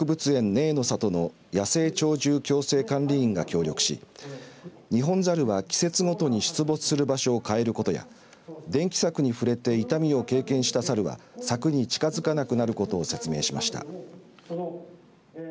ねいの里の野生鳥獣共生管理員が協力しニホンザルは季節ごとに出没する場所を変えることや電気柵に触れて痛みを経験したサルは柵に近づかなくなることを説明しました。